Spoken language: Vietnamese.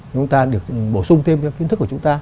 chúng ta được bổ sung thêm cho kiến thức của chúng ta